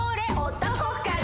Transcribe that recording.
男かな？